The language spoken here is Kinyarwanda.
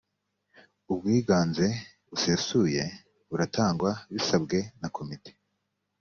ubwiganze busesuye buratangwa bisabwe na komite